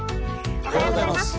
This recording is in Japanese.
おはようございます。